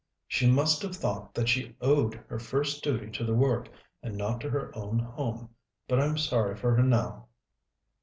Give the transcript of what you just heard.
"She must have thought that she owed her first duty to the work, and not to her own home. But I'm sorry for her now."